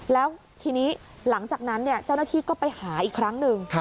แล้วทีนี้หลังจากนั้นเจ้าหน้าที่ก็ไปหาอีกครั้งหนึ่ง